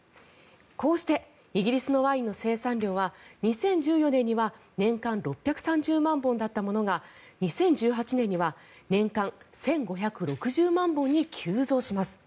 こうしてイギリスのワインの生産量は２０１４年には年間６３０万本だったものが２０１８年には年間１５６０万本に急増します。